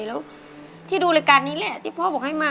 แล้วที่ดูรายการนี้แหละที่พ่อบอกให้มา